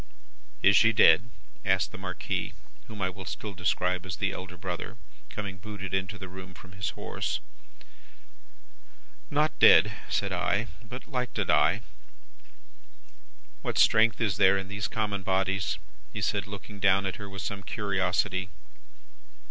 "'Is she dead?' asked the Marquis, whom I will still describe as the elder brother, coming booted into the room from his horse. "'Not dead,' said I; 'but like to die.' "'What strength there is in these common bodies!' he said, looking down at her with some curiosity.